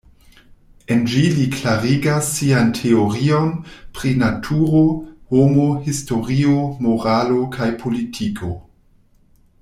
En ĝi li klarigas sian teorion pri naturo, homo, historio, moralo kaj politiko.